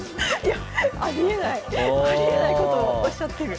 いやありえないことをおっしゃってる。